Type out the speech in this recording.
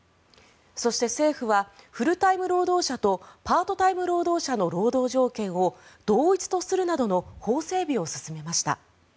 そして政府はフルタイム労働者とパートタイム労働者の労働条件を同一とするなどの法整備を進めました。